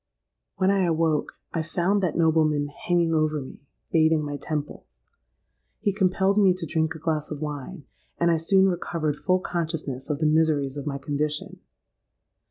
"When I awoke, I found that nobleman hanging over me, bathing my temples. He compelled me to drink a glass of wine; and I soon recovered full consciousness of the miseries of my condition.